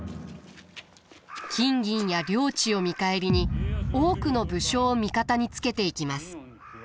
金銀や領地を見返りに多くの武将を味方につけていきます。